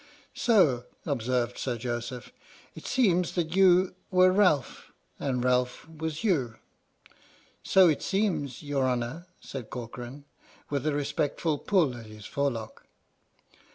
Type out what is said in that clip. " So," observed Sir Joseph, "it seems that you were Ralph and Ralph was you." " So it seems, your Honour," said Corcoran, with a respectful pull at his forelock.